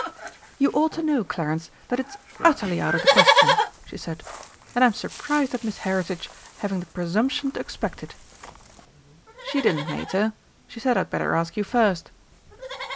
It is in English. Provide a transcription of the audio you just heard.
"You ought to know, Clarence, that it's utterly out of the question!" she said. "And I'm surprised at Miss Heritage having the presumption to expect it." "She didn't, Mater. She said I'd better ask you first."